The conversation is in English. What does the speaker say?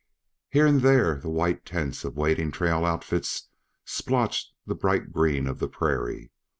Here and there the white tents of waiting trail outfits splotched the bright green of the prairie.